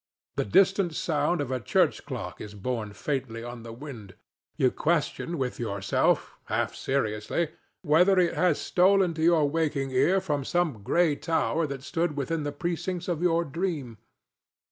The distant sound of a church clock is borne faintly on the wind. You question with yourself, half seriously, whether it has stolen to your waking ear from some gray tower that stood within the precincts of your dream.